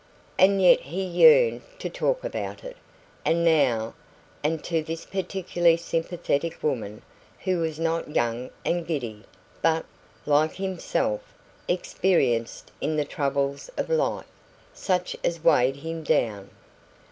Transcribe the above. And yet he yearned to talk about it, and now, and to this particularly sympathetic woman, who was not young and giddy, but, like himself, experienced in the troubles of life, such as weighed him down.